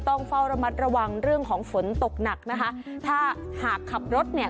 ต้องเฝ้าระมัดระวังเรื่องของฝนตกหนักนะคะถ้าหากขับรถเนี่ย